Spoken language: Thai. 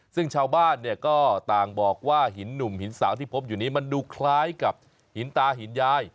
ซึ่งชาวบ้านเนี่ยก็ต่างบอกว่าหินหนุ่มหินสาวที่พบอยู่นี้มันดูคล้ายกับหินตาหินยาย